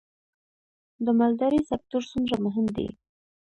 د مالدارۍ سکتور څومره مهم دی؟